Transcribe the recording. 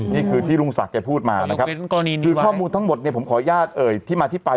นี่คือที่ลุงศักดิ์พูดมานะครับคือข้อมูลทั้งหมดเนี่ยผมขออนุญาตเอ่ยที่มาที่ไป